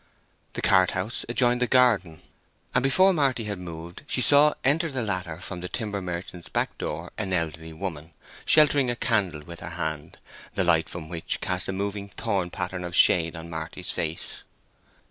The cart house adjoined the garden, and before Marty had moved she saw enter the latter from the timber merchant's back door an elderly woman sheltering a candle with her hand, the light from which cast a moving thorn pattern of shade on Marty's face.